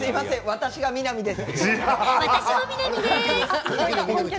私が南です。